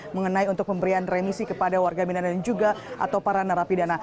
mengenai untuk pemberian remisi kepada warga mina dan juga atau para narapidana